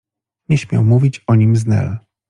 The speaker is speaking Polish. Nie śmiał mówić o nim z Nel.